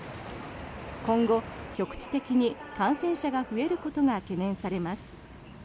今後、局地的に感染者が増えることが懸念されます。